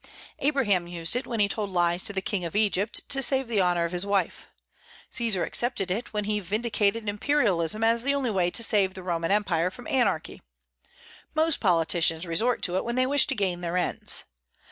Abraham used it when he told lies to the King of Egypt, to save the honor of his wife; Caesar accepted it, when he vindicated imperialism as the only way to save the Roman Empire from anarchy; most politicians resort to it when they wish to gain their ends.